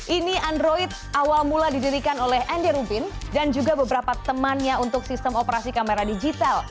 ini android awal mula didirikan oleh andy rubin dan juga beberapa temannya untuk sistem operasi kamera digital